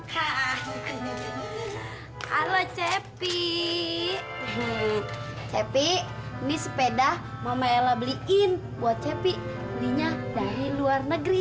halo cepi cepi ini sepeda mama ella beliin buat cepi belinya dari luar negeri